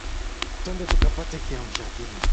Twende tukapate kiamsha kinywa.